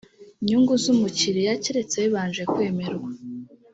nyungu z umukiriya keretse bibanje kwemerwa